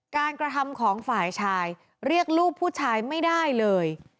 กระทำของฝ่ายชายเรียกลูกผู้ชายไม่ได้เลย